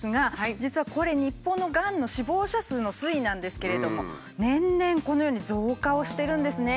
実はこれ日本のがんの死亡者数の推移なんですけれども年々このように増加をしてるんですね。